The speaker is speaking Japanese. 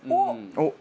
おっ！